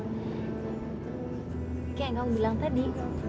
kayak yang om bilang tadi